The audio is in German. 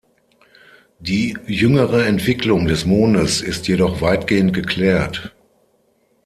Die jüngere Entwicklung des Mondes ist jedoch weitgehend geklärt.